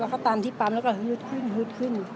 แล้วก็ตามที่ปั๊มแล้วก็ฮึดขึ้นฮึดขึ้น